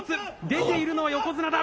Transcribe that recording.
出ているのは横綱だ。